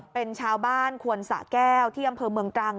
เป็นชาวบ้านควนสะแก้วที่อำเภอเมืองตรัง